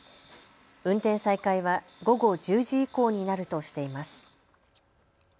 運転再開は午後１０時以降になるとしています。